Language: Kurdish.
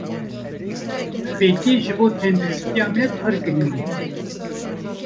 Fêkî ji bo tendirustiya me pir girîng e.